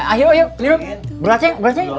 ayo ayo minum berulah ceng berulah ceng